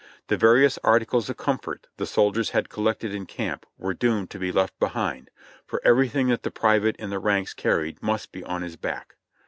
The various articles of comfort the soldiers had collected in camp were doomed to be left behind, for everything that the private in the ranks carried must be on his back.